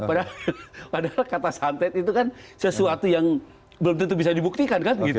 padahal kata santet itu kan sesuatu yang belum tentu bisa dibuktikan kan gitu